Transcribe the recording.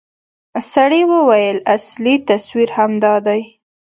سړي وويل اصلي تصوير همدا دى.